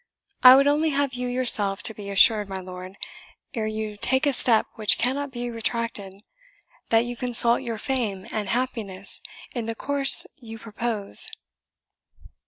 I would only have you yourself to be assured, my lord, ere you take a step which cannot be retracted, that you consult your fame and happiness in the course you propose."